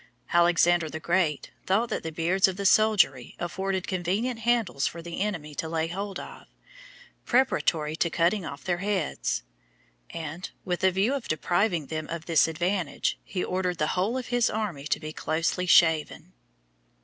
Alexander the Great thought that the beards of the soldiery afforded convenient handles for the enemy to lay hold of, preparatory to cutting off their heads; and, with a view of depriving them of this advantage, he ordered the whole of his army to be closely shaven.